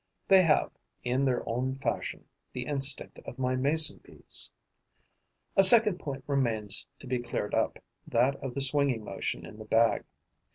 They have, in their own fashion, the instinct of my Mason bees. A second point remains to be cleared up, that of the swinging motion in the bag.